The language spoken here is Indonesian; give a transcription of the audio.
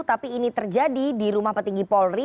tapi ini terjadi di rumah petinggi polri